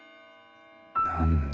何だ？